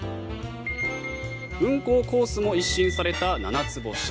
運行コースも一新されたななつ星。